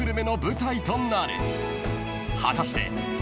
［果たして］